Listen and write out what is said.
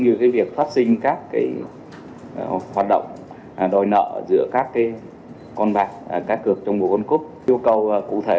như việc phát sinh các hoạt động đòi nợ giữa các con bạc cá cược trong mùa world cup yêu cầu cụ thể